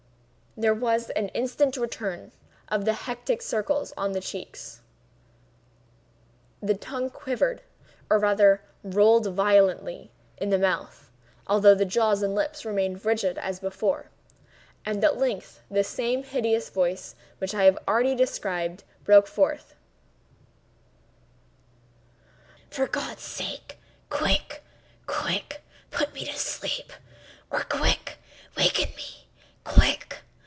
There was an instant return of the hectic circles on the cheeks; the tongue quivered, or rather rolled violently in the mouth (although the jaws and lips remained rigid as before), and at length the same hideous voice which I have already described, broke forth: "For God's sake!—quick!—quick!—put me to sleep—or, quick!—waken me!—quick!